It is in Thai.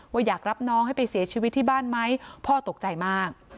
อยากรับน้องให้ไปเสียชีวิตที่บ้านไหมพ่อตกใจมาก